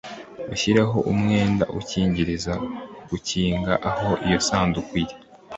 Ushyireho umwenda ukingiriza gukinga aho iyo Sanduku iri